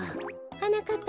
はなかっ